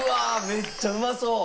めっちゃうまそう！